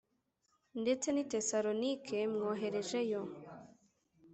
Ndetse n i tesalonike mwoherejeyo